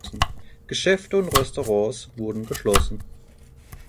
Geschäfte und Restaurants wurden geschlossen.